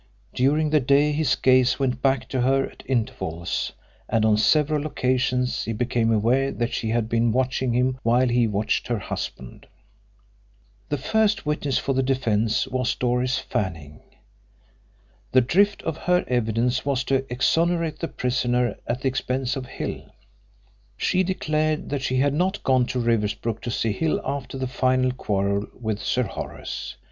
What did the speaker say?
During the day his gaze went back to her at intervals, and on several occasions he became aware that she had been watching him while he watched her husband. The first witness for the defence was Doris Fanning. The drift of her evidence was to exonerate the prisoner at the expense of Hill. She declared that she had not gone to Riversbrook to see Hill after the final quarrel with Sir Horace.